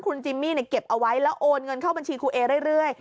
คุณจิมมี่เก็บเอาไว้แล้วโอนเงินเข้าบัญชีครูเอเรื่อย